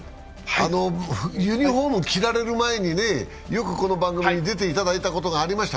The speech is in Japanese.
ユニフォームを着られる前に、よくこの番組に出ていただいたことがありました。